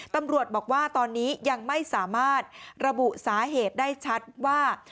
ตำรวจบอกว่าตอนนี้ยังไม่สามารถระบุสาเหตุได้ชัดว่า